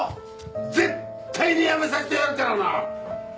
絶対にやめさせてやるからな！